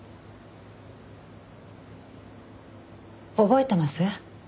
覚えてます？